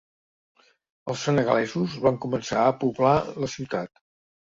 Els senegalesos van començar a poblar la ciutat.